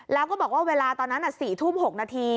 แล้วก็บอกว่าเวลาตอนนั้น๔ทุ่ม๖นาที